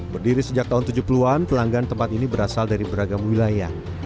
berdiri sejak tahun tujuh puluh an pelanggan tempat ini berasal dari beragam wilayah